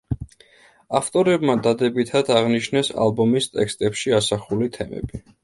ავტორებმა დადებითად აღნიშნეს ალბომის ტექსტებში ასახული თემები.